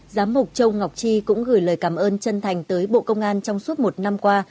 giám mục châu ngọc tri cũng gửi lời cảm ơn chân thành tới bộ công an trong suốt một năm qua